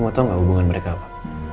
kamu tau gak hubungan mereka apa